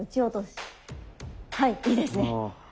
はいいいですね。